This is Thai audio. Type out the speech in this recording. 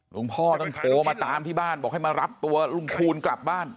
พ่อต้องโทรมาตามที่บ้านบอกให้มารับตัวลุงคูณกลับบ้าน